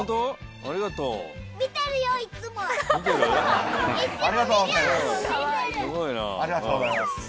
ありがとうございます。